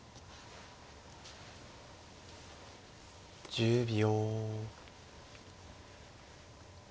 １０秒。